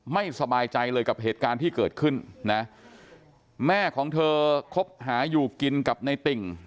ไม่สบายใจเลยกับเหตุการณ์ที่เกิดขึ้นนะแม่ของเธอคบหาอยู่กินกับในติ่ง